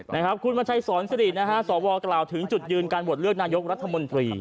นะครับคุณวัชชัยสอนสิรินะฮะสวกล่าวถึงจุดยืนการโหวตเลือกนายกรัฐมนตรี